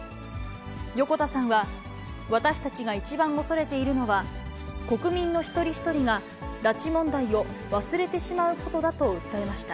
横田さんは、私たちが一番恐れているのは、国民の一人一人が拉致問題を忘れてしまうことだと訴えました。